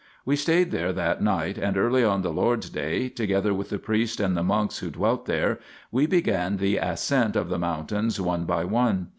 We stayed there that night, and early on the Lord's Day, together with the priest and the monks who dwelt there, we began the ascent of the mountains one by one.